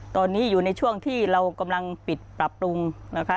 ตอนนี้อยู่ในช่วงที่เรากำลังปิดปรับปรุงนะคะ